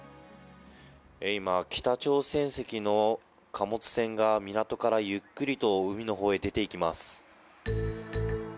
今、北朝鮮籍の貨物船が、港からゆっくりと海の方へ出ていきます。